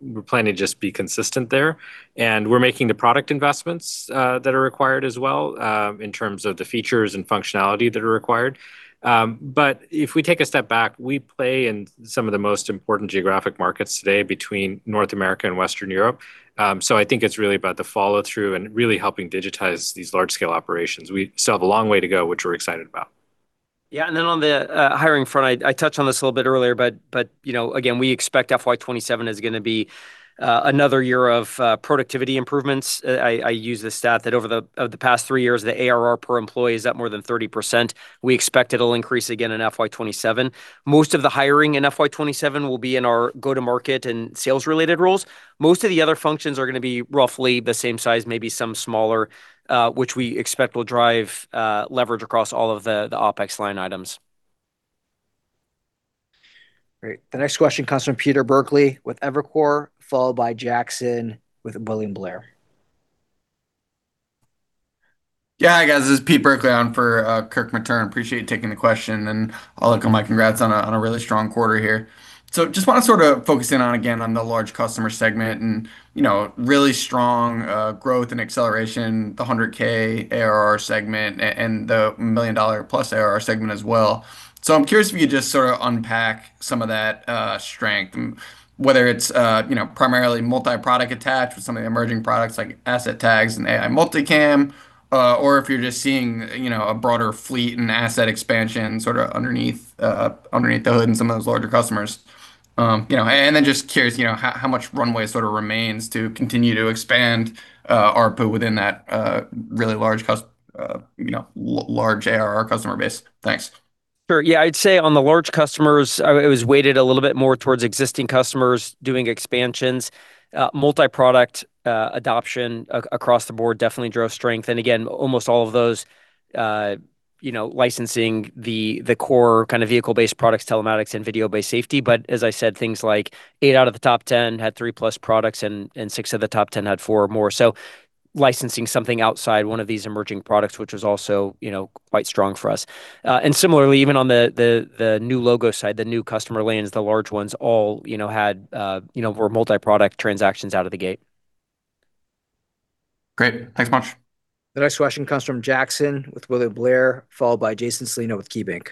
We plan to just be consistent there, and we're making the product investments that are required as well in terms of the features and functionality that are required. If we take a step back, we play in some of the most important geographic markets today between North America and Western Europe. I think it's really about the follow-through and really helping digitize these large-scale operations. We still have a long way to go, which we're excited about. Yeah. Then on the hiring front, I touched on this a little bit earlier, but, you know, again, we expect FY 2027 is gonna be another year of productivity improvements. I use the stat that over the past three years, the ARR per employee is up more than 30%. We expect it'll increase again in FY 2027. Most of the hiring in FY 2027 will be in our go-to-market and sales-related roles. Most of the other functions are gonna be roughly the same size, maybe some smaller, which we expect will drive leverage across all of the OpEx line items. Great. The next question comes from Peter Levine with Evercore, followed by Jackson with William Blair. Yeah. Hi, guys. This is Peter Levine on for Kirk Materne. Appreciate you taking the question. I'll echo my congrats on a really strong quarter here. Just wanna sort of focus in on, again, on the large customer segment and, you know, really strong growth and acceleration, the 100K ARR segment and the $1 million+ ARR segment as well. I'm curious if you could just sort of unpack some of that strength and whether it's, you know, primarily multi-product attached with some of the emerging products like Asset Tags and AI Multicam, or if you're just seeing, you know, a broader fleet and asset expansion sort of underneath the hood in some of those larger customers. You know, just curious, you know, how much runway sort of remains to continue to expand ARPU within that really large ARR customer base. Thanks. Sure. Yeah. I'd say on the large customers, it was weighted a little bit more towards existing customers doing expansions. Multi-product adoption across the board definitely drove strength. Again, almost all of those, you know, licensing the core kind of vehicle-based products, telematics, and video-based safety. As I said, things like eight out of the top 10 had three-plus products, and six of the top 10 had four or more. Licensing something outside one of these emerging products, which was also, you know, quite strong for us. And similarly, even on the new logo side, the new customer lanes, the large ones all, you know, had, you know, were multi-product transactions out of the gate. Great. Thanks much. The next question comes from Jackson with William Blair, followed by Jason Celino with KeyBank.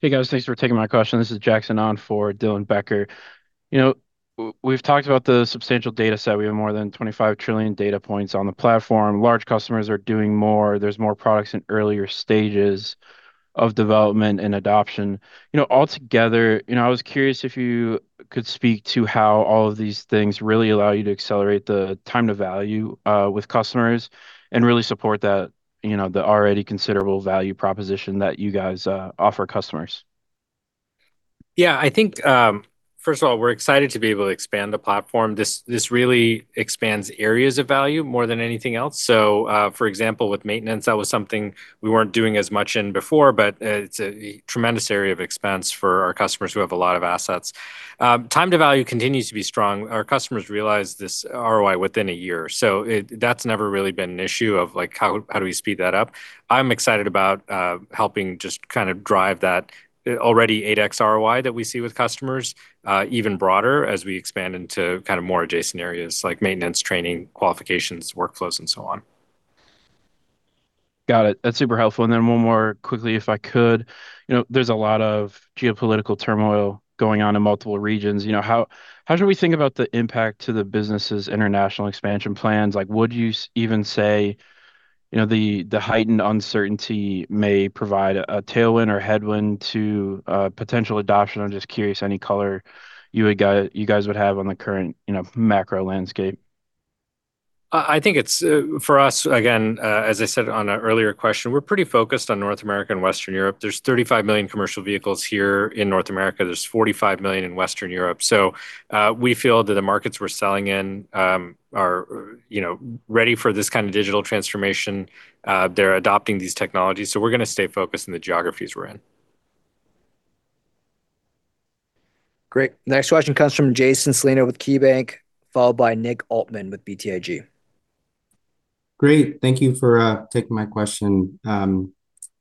Hey, guys. Thanks for taking my question. This is Jackson on for Dylan Becker. You know, we've talked about the substantial data set. We have more than 25 trillion data points on the platform. Large customers are doing more. There's more products in earlier stages of development and adoption. You know, altogether, you know, I was curious if you could speak to how all of these things really allow you to accelerate the time to value, with customers and really support that, you know, the already considerable value proposition that you guys, offer customers? I think, first of all, we're excited to be able to expand the platform. This really expands areas of value more than anything else. For example, with maintenance, that was something we weren't doing as much in before, but it's a tremendous area of expense for our customers who have a lot of assets. Time to value continues to be strong. Our customers realize this ROI within a year. That's never really been an issue of, like, how do we speed that up? I'm excited about helping just kind of drive that already 8x ROI that we see with customers, even broader as we expand into kind of more adjacent areas like maintenance, training, qualifications, workflows, and so on. Got it. That's super helpful. One more quickly, if I could. You know, there's a lot of geopolitical turmoil going on in multiple regions. You know, how should we think about the impact to the business's international expansion plans? Like, would you even say, you know, the heightened uncertainty may provide a tailwind or headwind to potential adoption? I'm just curious any color you would you guys would have on the current, you know, macro landscape. I think it's, for us, again, as I said on an earlier question, we're pretty focused on North America and Western Europe. There's 35 million commercial vehicles here in North America. There's 45 million in Western Europe. We feel that the markets we're selling in, are, you know, ready for this kind of digital transformation. They're adopting these technologies, we're gonna stay focused in the geographies we're in. Great. Next question comes from Jason Celino with KeyBank, followed by Nick Altmann with BTIG. Great. Thank you for taking my question.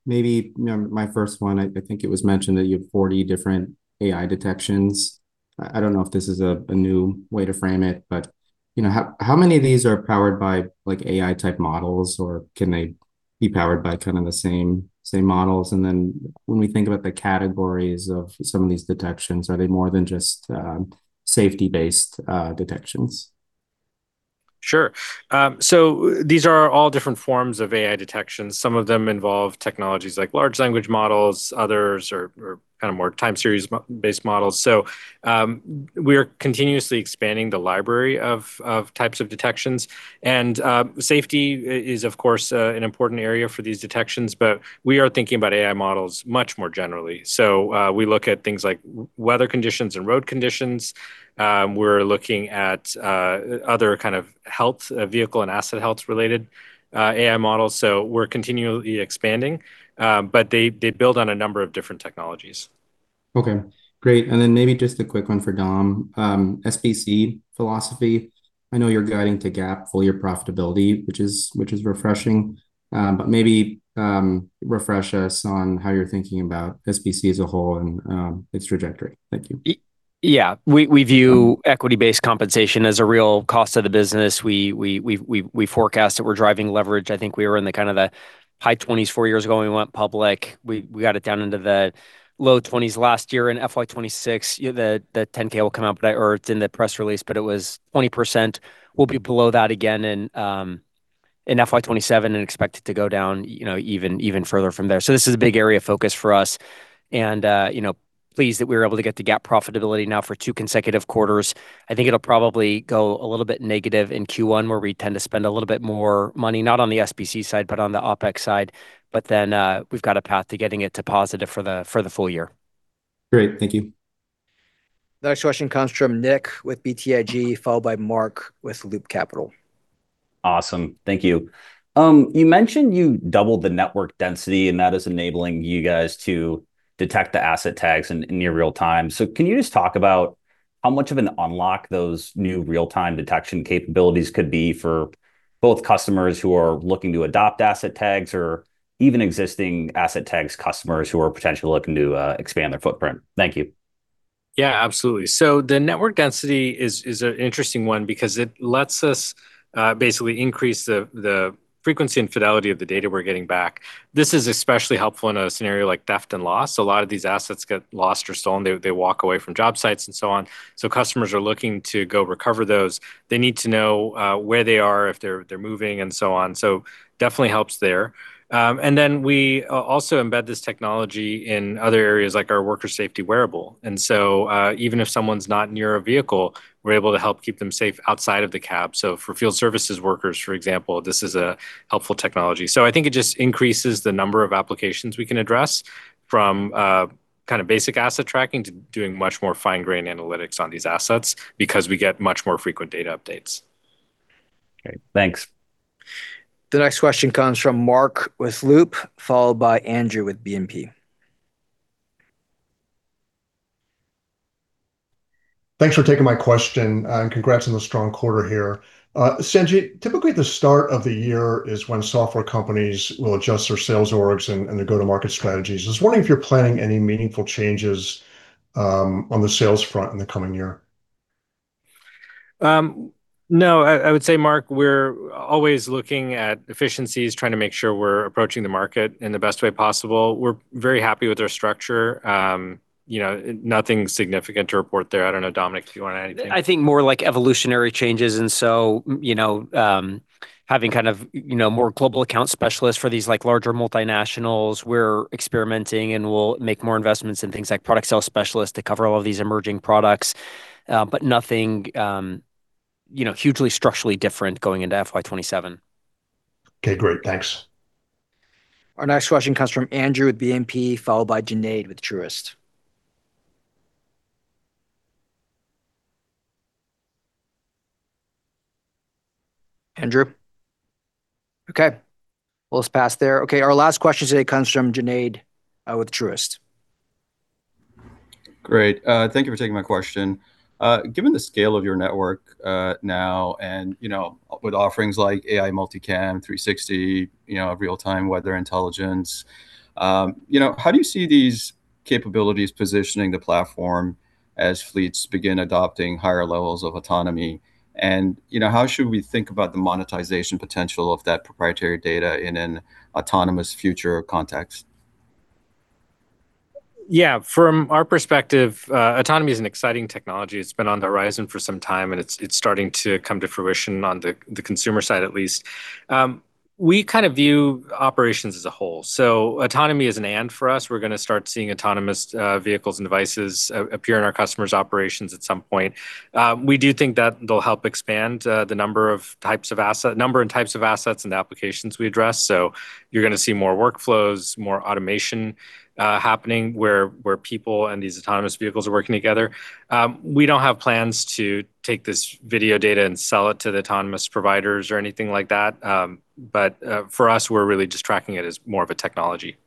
Maybe, you know, my first one, I think it was mentioned that you have 40 different AI detections. I don't know if this is a new way to frame it, but, you know, how many of these are powered by, like, AI-type models, or can they be powered by kind of the same models? When we think about the categories of some of these detections, are they more than just safety-based detections? Sure. These are all different forms of AI detections. Some of them involve technologies like large language models. Others are kind of more time series-based models. We're continuously expanding the library of types of detections. Safety is, of course, an important area for these detections, but we are thinking about AI models much more generally. We look at things like weather conditions and road conditions. We're looking at other kind of health, vehicle and asset health-related AI models. We're continually expanding, but they build on a number of different technologies. Okay, great. Maybe just a quick one for Dom. SBC philosophy, I know you're guiding to GAAP full year profitability which is refreshing. Refresh us on how you're thinking about SBC as a whole and its trajectory. Thank you. Yeah. We view equity-based compensation as a real cost of the business. We've forecast that we're driving leverage. I think we were in the kind of the high 20s four years ago when we went public. We got it down into the low 20s last year in FY 2026. You know, the 10K will come out, Or it's in the press release, but it was 20%. We'll be below that again in FY 2027 and expect it to go down, you know, even further from there. This is a big area of focus for us and, you know, pleased that we were able to get the GAAP profitability now for two consecutive quarters. I think it'll probably go a little bit negative in Q1 where we tend to spend a little bit more money, not on the SBC side, but on the OPEX side. We've got a path to getting it to positive for the, for the full-year. Great. Thank you. The next question comes from Nick with BTIG, followed by Mark with Loop Capital. Awesome. Thank you. You mentioned you doubled the network density, and that is enabling you guys to detect the Asset Tags in near real-time. Can you just talk about how much of an unlock those new real-time detection capabilities could be for both customers who are looking to adopt Asset Tags or even existing Asset Tags customers who are potentially looking to expand their footprint? Thank you. Yeah, absolutely. The network density is an interesting one because it lets us basically increase the frequency and fidelity of the data we're getting back. This is especially helpful in a scenario like theft and loss. A lot of these assets get lost or stolen. They walk away from job sites and so on. Customers are looking to go recover those. They need to know where they are, if they're moving and so on, so definitely helps there. We also embed this technology in other areas like our worker safety wearable. Even if someone's not near a vehicle, we're able to help keep them safe outside of the cab. For field services workers, for example, this is a helpful technology. I think it just increases the number of applications we can address from, kind of basic asset tracking to doing much more fine-grain analytics on these assets because we get much more frequent data updates. Okay, thanks. The next question comes from Mark with Loop, followed by Andrew with BNP. Thanks for taking my question, and congrats on the strong quarter here. Sanjit, typically the start of the year is when software companies will adjust their sales orgs and their go-to-market strategies. Just wondering if you're planning any meaningful changes on the sales front in the coming year? No. I would say, Mark, we're always looking at efficiencies, trying to make sure we're approaching the market in the best way possible. We're very happy with our structure. You know, nothing significant to report there. I don't know, Dominic, if you want to add anything. I think more like evolutionary changes and so, you know, having kind of, you know, more global account specialists for these, like, larger multinationals. We're experimenting and we'll make more investments in things like product sales specialists to cover all of these emerging products, but nothing, you know, hugely structurally different going into FY27. Okay, great. Thanks. Our next question comes from Andrew with BNP, followed by Junaid with Truist. Andrew? Okay. Well, let's pass there. Okay, our last question today comes from Junaid with Truist. Great. thank you for taking my question. given the scale of your network, now and, you know, with offerings like AI Multicam 360, you know, real-time weather intelligence, you know, how do you see these capabilities positioning the platform as fleets begin adopting higher levels of autonomy? You know, how should we think about the monetization potential of that proprietary data in an autonomous future context? Yeah. From our perspective, autonomy is an exciting technology. It's been on the horizon for some time, and it's starting to come to fruition on the consumer side at least. We kind of view operations as a whole, so autonomy is an and for us. We're gonna start seeing autonomous vehicles and devices appear in our customers' operations at some point. We do think that they'll help expand the number and types of assets and the applications we address. You're gonna see more workflows, more automation happening where people and these autonomous vehicles are working together. We don't have plans to take this video data and sell it to the autonomous providers or anything like that. For us, we're really just tracking it as more of a technology.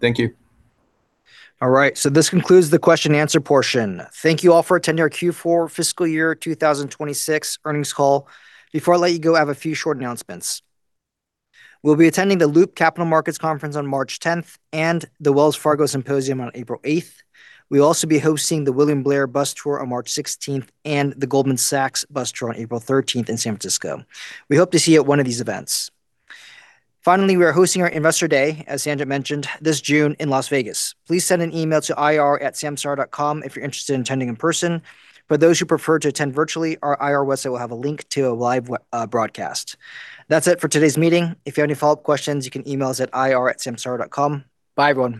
Thank you. All right, this concludes the question and answer portion. Thank you all for attending our Q4 fiscal year 2026 earnings call. Before I let you go, I have a few short announcements. We'll be attending the Loop Capital Markets Conference on March 10th and the Wells Fargo Symposium on April 8th. We'll also be hosting the William Blair Bus Tour on March 16th and the Goldman Sachs Bus Tour on April 13th in San Francisco. We hope to see you at one of these events. Finally, we are hosting our Investor Day, as Sanjit mentioned, this June in Las Vegas. Please send an email to ir@samsara.com if you're interested in attending in person. For those who prefer to attend virtually, our IR website will have a link to a live broadcast. That's it for today's meeting. If you have any follow-up questions, you can email us at ir@samsara.com. Bye, everyone.